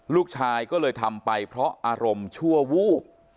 ลูกชายก็เลยทำไปเพราะอารมณ์ชั่ววูบ